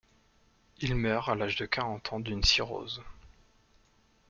Il meurt à l'âge de quarante ans d'une cirrhose.